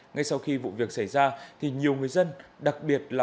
ngay sau khi vụ việc xảy ra nhiều người dân